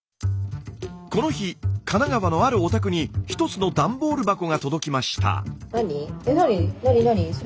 この日神奈川のあるお宅に一つの段ボール箱が届きました。